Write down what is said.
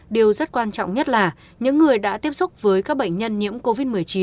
điều rất quan trọng nhất là những người đã tiếp xúc với các bệnh nhân nhiễm covid một mươi chín